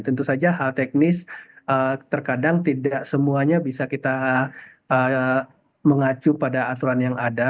tentu saja hal teknis terkadang tidak semuanya bisa kita mengacu pada aturan yang ada